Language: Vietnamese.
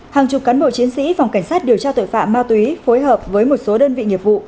hàng chục cán bộ chiến sĩ phòng cảnh sát điều tra tội phạm ma túy phối hợp với một số đơn vị nghiệp vụ